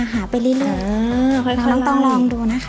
หาไปเรื่อยน้องต้องลองดูนะคะ